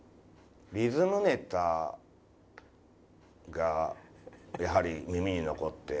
リズムネタがやはり耳に残って。